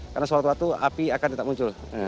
karena sewaktu waktu api akan tetap muncul